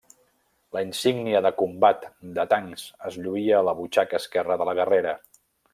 La Insígnia de Combat de Tancs es lluïa a la butxaca esquerra de la guerrera.